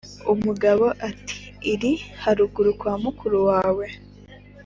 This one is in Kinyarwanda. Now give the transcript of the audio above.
umugabo Ati:"Iri haruguru kwa mukuru wanjye